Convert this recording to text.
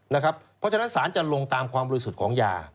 เพราะฉะนั้นสารจะลงตามความบริสุทธิ์ของยา